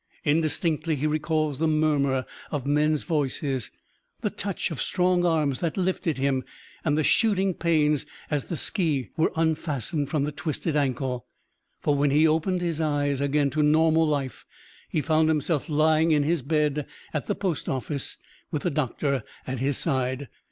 Indistinctly he recalls the murmur of men's voices, the touch of strong arms that lifted him, and the shooting pains as the ski were unfastened from the twisted ankle ... for when he opened his eyes again to normal life he found himself lying in his bed at the post office with the doctor at his side.